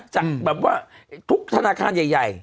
จากแบบว่าทุกธนาคารใหญ่